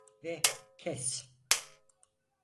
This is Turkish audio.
Ve kes!